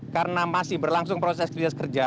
karena masih berlangsung proses kerja